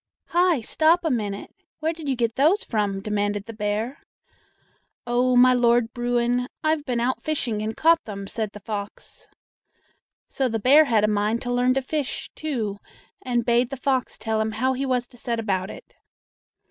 "Hi! stop a minute! Where did you get those from?" demanded the bear. "Oh, my Lord Bruin, I've been out fishing and caught them," said the fox. So the bear had a mind to learn to fish, too, and bade the fox tell him how he was to set about it.